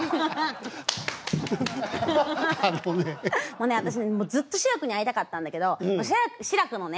もうね私ねずっと志らくに会いたかったんだけど志らくのね